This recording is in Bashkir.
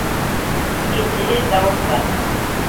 Икенсеһе - Дауыттан.